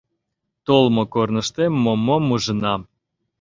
— Толмо корныштем мом-мом ужынам...